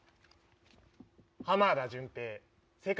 浜田順平。